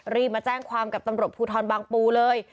รีบมาแจ้งความกับตำรวจภูทรบางปูเลย